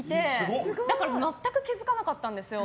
だから全く気付かなかったんですよ。